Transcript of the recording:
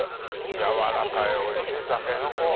軟らかいおいしいタケノコ。